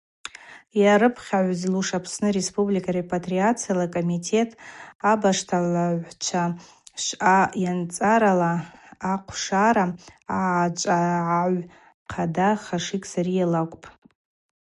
Йарыпхьагӏвызлуш Апсны Республика репатриацияла акомитет абашталагӏвчва ашвъа йанцӏарала ахъвшара аъачӏвагӏагӏв хъада Хашиг Сария лакӏвпӏ.